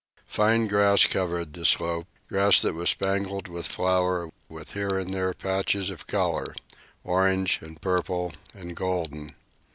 Fine grass covered the slope grass that was spangled with flowers, with here and there patches of color, orange and purple and golden.